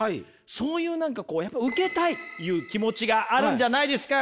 そういう何かこうやっぱりウケたいっていう気持ちがあるんじゃないですか？